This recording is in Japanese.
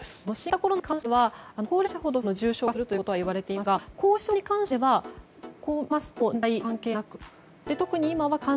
新型コロナに関しては高齢者ほど重症化するというのは言われていますが後遺症に関してはこう見ますと、年代関係なく。